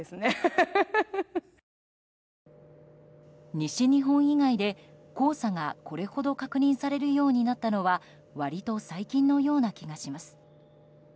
西日本以外で黄砂がこれほど確認されるようになったのは割と最近のような気がします。